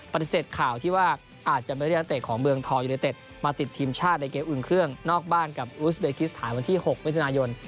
ปฏิเสธข่าวที่ว่าอาจจะไม่ได้นักเตะของเมืองทองยูเนเต็ดมาติดทีมชาติในเกมอื่นเครื่องนอกบ้านกับอุสเบกิสถานวันที่๖มิถุนายน